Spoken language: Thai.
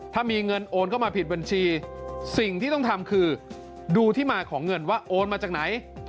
ถ้ามีเงินโอนเข้ามาผิดบัญชีสิ่งที่ต้องทำคือดูที่มาของเงินว่าโอนมาจากไหน